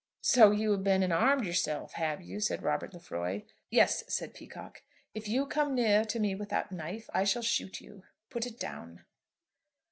"So you have been and armed yourself, have you?" said Robert Lefroy. "Yes," said Peacocke; "if you come nearer me with that knife I shall shoot you. Put it down."